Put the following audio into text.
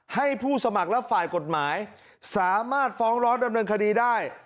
ให้ผู้สมัครและฝ่ายกฎหมายสามารถฟ้องร้องดำเนินคดีได้